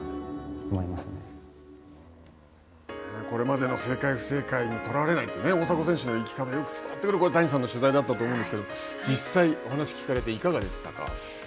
これまでの正解不正解にとらわれない大迫選手の生き方よく伝わってくる谷さんの取材だったと思うんですけれども実際お話を聞かれていかがでしたか。